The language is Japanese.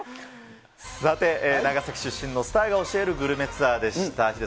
さて、長崎出身のスターが教えるグルメツアーでした。